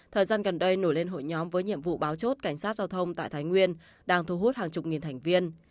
thời gian gần đây nổi lên hội nhóm với nhiệm vụ báo chốt cảnh sát giao thông tại thái nguyên đang thu hút hàng chục nghìn thành viên